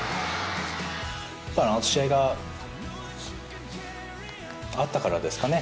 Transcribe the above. あの試合があったからですかね。